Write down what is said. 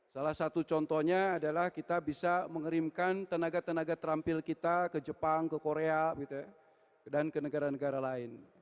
salah satu contohnya adalah kita bisa mengerimkan tenaga tenaga terampil kita ke jepang ke korea dan ke negara negara lain